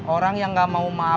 orang yang gak mau maafin temennya